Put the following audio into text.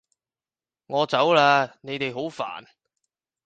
我走喇！你哋好煩